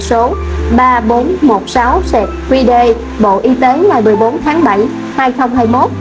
số ba nghìn bốn trăm một mươi sáu qd bộ y tế ngày một mươi bốn tháng bảy